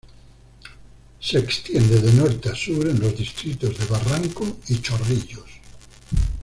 Se extiende de norte a sur en los distritos de Barranco y Chorrillos.